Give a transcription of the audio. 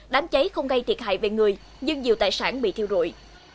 đám cháy không gây thiệt hại về người nhưng nhiều tài sản bị thiêu rụi